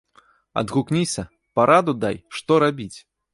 Адгукніся, параду дай, што рабіць!